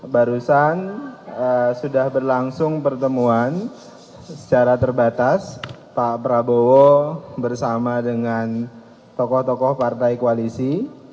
barusan sudah berlangsung pertemuan secara terbatas pak prabowo bersama dengan tokoh tokoh partai koalisi